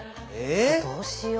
どうしよう。